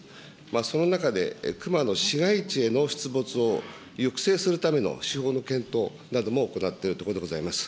その中で、熊の市街地への出没を抑制するための司法の検討なども行っているところでございます。